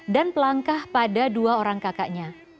dan pelangkah pada dua orang kakaknya